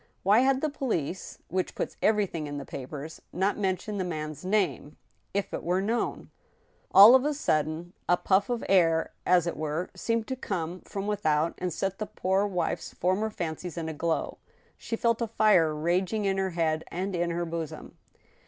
Why had the police, which puts everything into the papers, not mentioned^the man's name, if it were known ? All of a sudden a puff of air, as it were, seemed to come from without, and set the poor wife's former fancies in a glow. She felt a fire raging in her head and in her bosom.